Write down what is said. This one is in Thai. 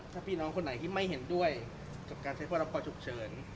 ถ้าพี่น้องคนไหนที่ไม่เห็นด้วยกับการใช้พรกรฉุกเฉิน